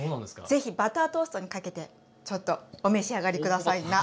是非バタートーストにかけてちょっとお召し上がり下さいな。